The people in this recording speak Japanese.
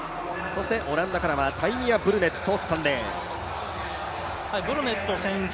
オランダからはタイミア・ブルネット、３レーン。